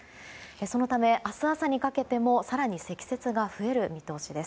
そのため明日朝にかけても更に積雪が増える見通しです。